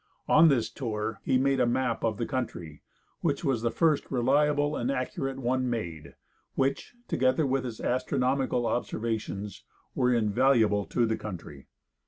On this tour he made a map of the country, which was the first reliable and accurate one made, which, together with his astronomical observations, were invaluable to the country.